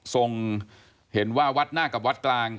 ส่งเห็นว่าวัดนากกับวัดกลาง